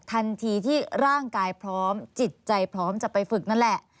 ทันทีที่ร่างกายพร้อมจิตใจพร้อมจะไปฝึกนั่นแหละ